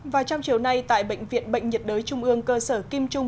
và trong chiều nay tại bệnh viện bệnh nhiệt đới trung ương cơ sở kim trung